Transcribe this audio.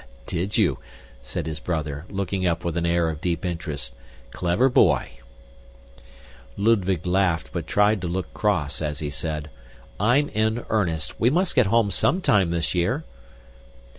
"Did you?" said his brother, looking up with an air of deep interest. "Clever boy!" Ludwig laughed but tried to look cross, as he said, "I'm in earnest. We must get home sometime this year."